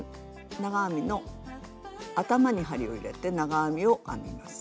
長編みの頭に針を入れて長編みを編みます。